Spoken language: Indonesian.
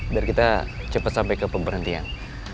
biar kita cepet sampe ke pemberhentian